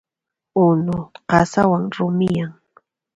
Unu qasawan rumiyan.